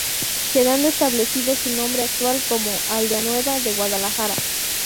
Quedando establecido su nombre actual, como "Aldeanueva de Guadalajara".